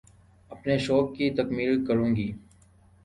اپنے شوق کی تکمیل کروں گی